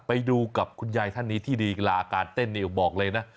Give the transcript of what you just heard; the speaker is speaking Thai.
ไปดูกับคุณยายท่านนี้ที่ดีลาการเต้นเนี่ยบอกเลยนะ